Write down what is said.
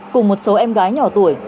cùng một số em gái nhỏ tuổi